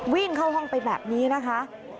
วิ่งเข้าห้องไปแบบนี้นะคะ